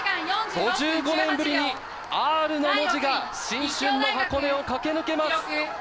５５年ぶりにＲの文字が新春の箱根を駆け抜けます。